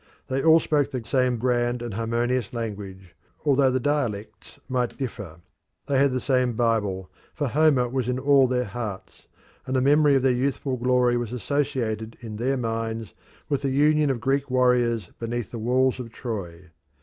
They all spoke the same grand and harmonious language although the dialects might differ; they had the same bible, for Homer was in all their hearts, and the memory of their youthful glory was associated in their minds with the union of Greek warriors beneath the walls of Troy.